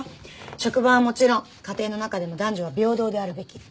職場はもちろん家庭の中でも男女は平等であるべき。